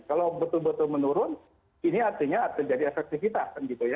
kalau betul betul menurun ini artinya artinya efektivitas